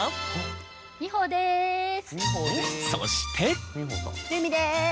そして。